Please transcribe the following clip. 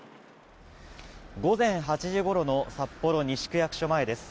午前８時ごろの札幌西区役所前です。